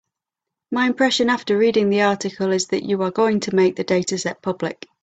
My impression after reading the article is that you are going to make the dataset public.